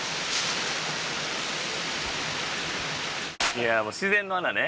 いやもう自然の穴ね。